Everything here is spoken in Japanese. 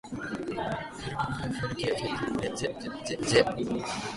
ふぇ ｒｖｆｒｖｊ きえ ｖ へ ｒｊｃｂ れ ｌｈｃ れ ｖ け ｒｊ せ ｒｋｖ じぇ ｓ